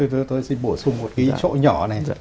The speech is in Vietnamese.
thôi xin bổ sung một cái chỗ nhỏ này